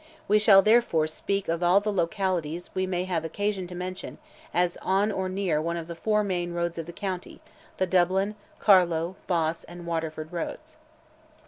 We shall, therefore, speak of all the localities we may have occasion to mention as on or near one of the four main roads of the county, the Dublin, Carlow, Boss, and Waterford roads.